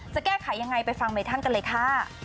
จะแก้ไขยังไงไปฟังเมทันกันเลยค่ะ